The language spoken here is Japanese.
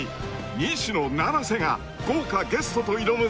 ［西野七瀬が豪華ゲストと挑むスター獲得！］